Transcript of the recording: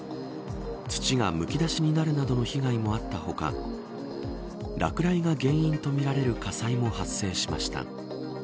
土がむき出しになるなどの被害もあった他落雷が原因とみられる火災も発生しました。